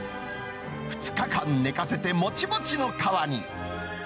２日間寝かせて、もちもちの皮に。